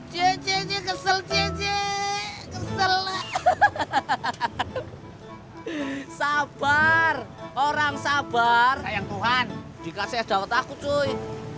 hai jejeje kesel jeje kesel hahaha sabar orang sabar sayang tuhan jika saya tahu takut cuy